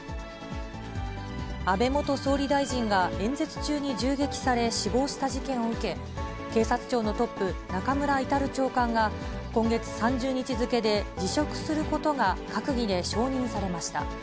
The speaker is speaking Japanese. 安倍元総理大臣が演説中に銃撃され、死亡した事件を受け、警察庁のトップ、中村格長官が、今月３０日付で辞職することが閣議で承認されました。